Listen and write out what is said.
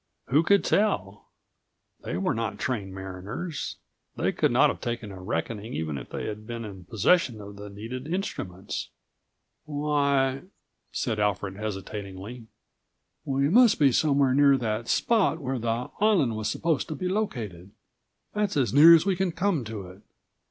Who could tell? They were not trained mariners. They could not have taken a reckoning even had they been in possession of the needed instruments. "Why," said Alfred hesitatingly, "we must be somewhere near that spot where the island157 was supposed to be located. That's as near as we can come to it.